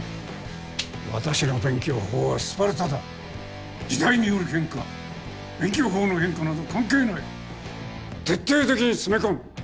私の勉強法はスパルタだ時代による変化勉強法の変化など関係ない徹底的に詰め込む！